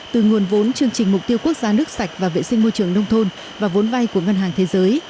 từ nguồn vốn chương trình mục tiêu quốc gia nước sạch và vệ sinh môi trường nông thôn và vốn vay của ngân hàng thế giới